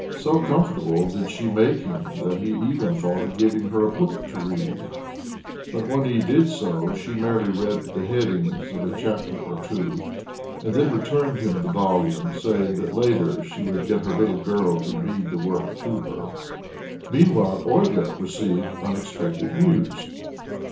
So comfortable did she make him that he even thought of giving her a book to read ; but when he did so she merely read the headings of a chapter or two, and 2i8 OBLOMOV then returned him the volume, saying that later she would get her little girl to read the work to her. Meanwhile Olga received unexpected news.